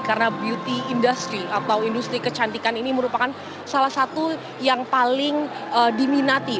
karena beauty industry atau industri kecantikan ini merupakan salah satu yang paling diminati